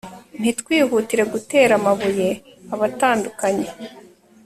ntitwihutire gutera amabuye abatandukanye